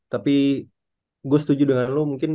tapi gue setuju dengan lo mungkin